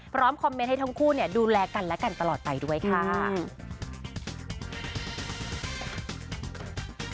พร้อมคอมเมนต์ให้ทั้งคู่ดูแลกันและกันตลอดไปด้วยค่ะ